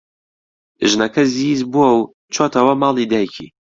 ژنەکە زیز بووە و چۆتەوە ماڵی دایکی.